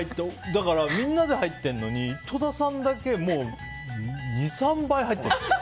だからみんなで入ってるのに井戸田さんだけもう、２３倍、入ってる。